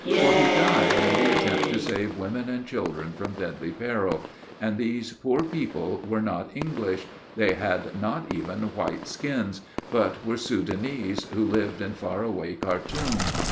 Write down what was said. For he died in the attempt to save women and children from deadly peril; and these poor people were not English they had not even white skins but were Soudanese, who lived in far away Khartoum.